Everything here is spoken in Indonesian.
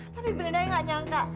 tapi brenda yang gak nyangka